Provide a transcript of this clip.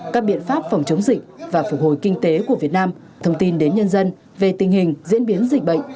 các biện pháp phòng chống dịch và phục hồi kinh tế của việt nam thông tin đến nhân dân về tình hình diễn biến dịch bệnh